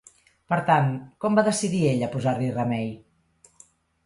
Per tant, com va decidir ella posar-li remei?